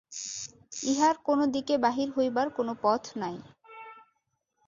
ইহার কোনো দিকে বাহির হইবার কোনো পথ নাই।